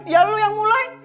ya lu yang mulai